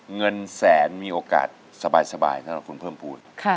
เงินแสนมีโอกาสสบายของคุณเพิ่มภูมิ